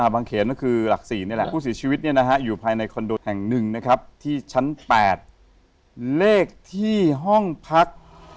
บางเขนก็คือหลักศรีเนี่ยแหละผู้เสียชีวิตอยู่ภายในคอนโดแห่ง๑ที่ชั้น๘เลขที่ห้องพัก๓๓๘